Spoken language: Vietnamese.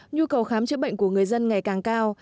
nhu cầu khám chữa bệnh của người dân ngày càng cao